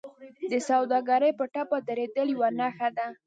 د سوداګرۍ په ټپه درېدل یوه نښه ده